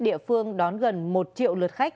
địa phương đón gần một triệu lượt khách